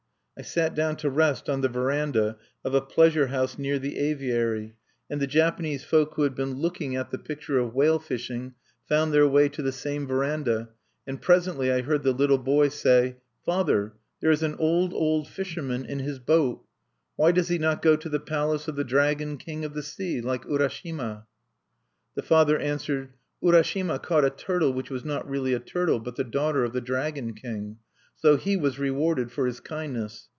I sat down to rest on the veranda of a pleasure house near the aviary, and the Japanese folk who had been looking at the picture of whale fishing found their way to the same veranda; and presently I heard the little boy say: "Father, there is an old, old fisherman in his boat. Why does he not go to the Palace of the Dragon King of the Sea, like Urashima?" The father answered: "Urashima caught a turtle which was not really a turtle, but the Daughter of the Dragon King. So he was rewarded for his kindness.